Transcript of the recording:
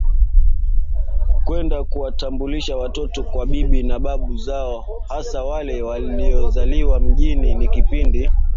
kwenda kuwatambulisha watoto kwa bibi na babu zao hasa wale waliozaliwa mijini Ni kipindi